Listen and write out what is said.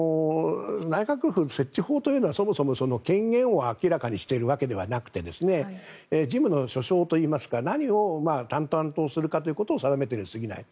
内閣府設置法というのはそもそも権限を明らかにしているわけではなくて事務といいますか何を淡々とするかということを定めているかに過ぎない。